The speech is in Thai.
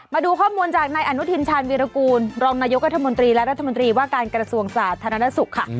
มาดูข้อมูลจากนายอนุทินชาญวีรกูลรองนายกรัฐมนตรีและรัฐมนตรีว่าการกระทรวงสาธารณสุขค่ะ